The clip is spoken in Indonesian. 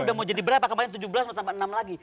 udah mau jadi berapa kemarin tujuh belas mau tambah enam lagi